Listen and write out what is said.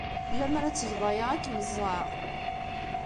Lemmer ad tgeḍ aya, ad kem-ẓẓɛeɣ.